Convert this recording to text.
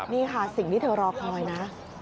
นี่ค่ะสิ่งที่เธอรอคอยนะ